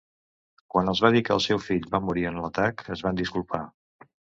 Quan els va dir que el seu fill va morir en l'atac, es van disculpar.